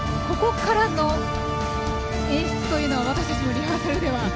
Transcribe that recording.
ここからの演出というのは私たちもリハーサルでは。